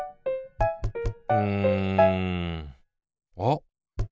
うんあっ！